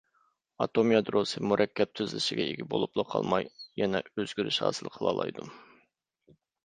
ئاتوم يادروسى مۇرەككەپ تۈزۈلۈشكە ئىگە بولۇپلا قالماي، يەنە ئۆزگىرىش ھاسىل قىلالايدۇ.